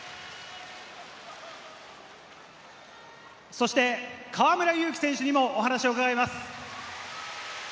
そして河村勇輝選手にもお話を伺います。